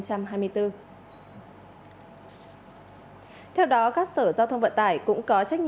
các sở giao thông vận tải cũng có trách nhiệm